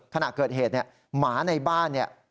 ขณะเกิดเหตุเนี่ยหมาในบ้านเนี่ย